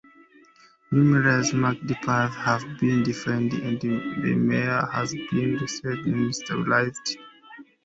Numerous marked paths have been defined and the moor has been reseeded and stabilized.